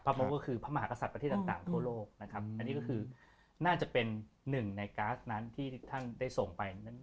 โบก็คือพระมหากษัตริย์ประเทศต่างทั่วโลกนะครับอันนี้ก็คือน่าจะเป็นหนึ่งในก๊าซนั้นที่ท่านได้ส่งไปนั้น